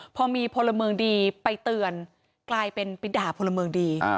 พอมีพลเมืองดีไปเตือนกลายเป็นไปด่าพลเมืองดี